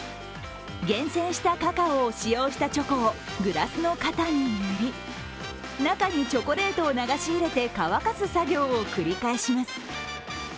厳選したカカオを使用したチョコをグラスの型に塗り中にチョコレートを流し入れて乾かす作業を繰り返します。